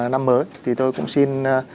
năm mới thì tôi cũng xin